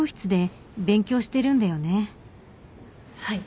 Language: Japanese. はい。